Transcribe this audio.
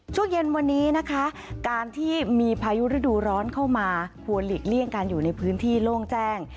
ช่วงเย็นวันนี้นะคะการที่มีพายุฤดูร้อนเข้ามาควรหลีกเลี่ยงการอยู่ในพื้นที่โล่งแจ้ง